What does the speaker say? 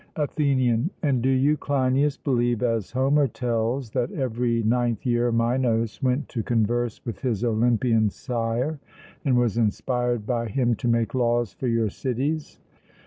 ATHENIAN: And do you, Cleinias, believe, as Homer tells, that every ninth year Minos went to converse with his Olympian sire, and was inspired by him to make laws for your cities?